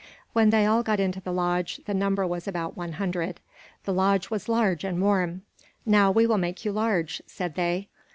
When they all got into the lodge the number was about one hundred. The lodge was large and warm. "Now we will make you large," said they.